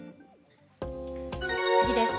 次です。